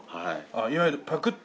いわゆるパクって。